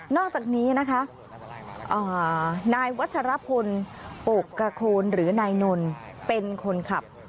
อกจากนี้นะคะนายวัชรพลโปกกระโคนหรือนายนนเป็นคนขับ